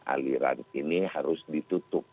aliran ini harus ditutup